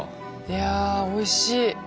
いやおいしい。